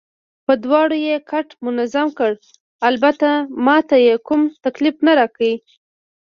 په دواړو یې کټ منظم کړ، البته ما ته یې کوم تکلیف نه راکړ.